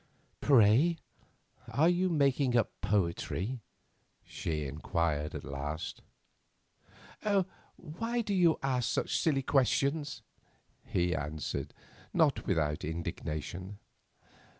"Pray, are you making up poetry?" she inquired at last. "Why do you ask such silly questions?" he answered, not without indignation.